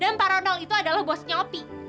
dan pak ronald itu adalah bosnya opi